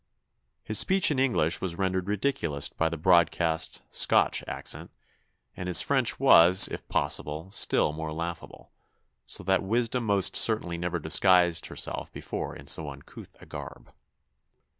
His speech in English was rendered ridiculous by the broadest Scotch accent, and his French was, if possible, still more laughable, so that wisdom most certainly never disguised herself before in so uncouth a garb.